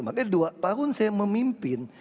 makanya dua tahun saya memimpin